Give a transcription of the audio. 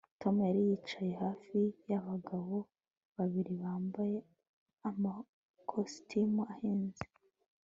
Tom yari yicaye hafi yabagabo babiri bambaye amakositimu ahenze